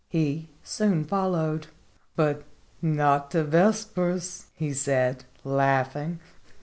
66 He soon followed. "But not to vespers," he said, laughing.